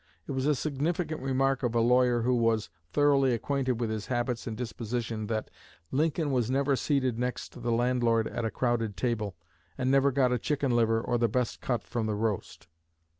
It was a significant remark of a lawyer who was thoroughly acquainted with his habits and disposition that "Lincoln was never seated next the landlord at a crowded table, and never got a chicken liver or the best cut from the roast."